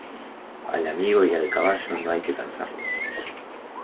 Al amigo y al caballo, no hay que cansarlos.